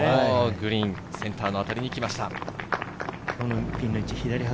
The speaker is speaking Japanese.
グリーンセンターのあたりに来ました。